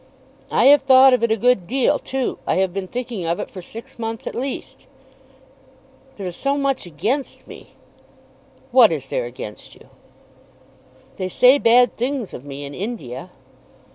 "I have thought of it a good deal too. I have been thinking of it for six months at least." "There is so much against me." "What is there against you?" "They say bad things of me in India."